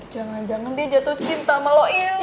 jangan jangan dia jatuh cinta sama lo ilmi